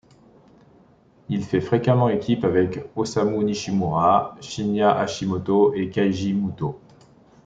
Il fait fréquemment équipe avec Osamu Nishimura, Shinya Hashimoto et Keiji Mutō.